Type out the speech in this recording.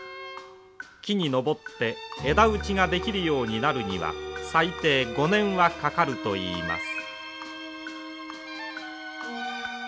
木に登って枝打ちができるようになるには最低５年はかかるといいます。